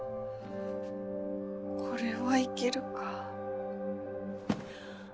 これはいけるか？